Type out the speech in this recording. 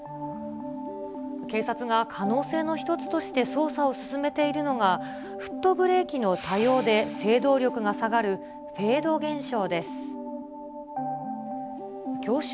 警察が可能性の一つとして捜査を進めているのが、フットブレーキの多用で制動力が下がるフェード現象です。